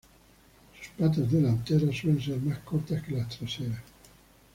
Sus patas delanteras suelen ser más cortas que las traseras.